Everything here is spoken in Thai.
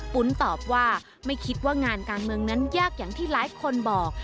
ปุ๋นตอบว่าไม่คิดว่างานการเมืองนั้นยากอย่างที่หลายคนบอก